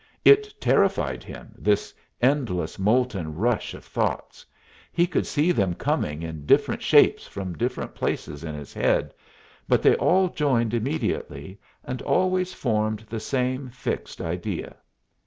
It terrified him this endless, molten rush of thoughts; he could see them coming in different shapes from different places in his head, but they all joined immediately, and always formed the same fixed idea.